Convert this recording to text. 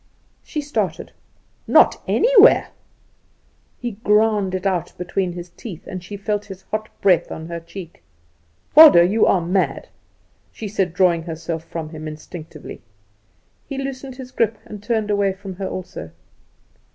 She started. "Not anywhere!" He ground it out between his teeth, and she felt his hot breath on her cheek. "Waldo, you are mad," she said, drawing herself from him, instinctively. He loosened his grasp and turned away from her also.